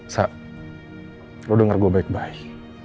so lo dengar gue baik baik